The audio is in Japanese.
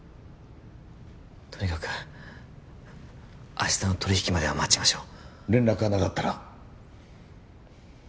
とにかく明日の取引までは待ちましょう連絡がなかったら？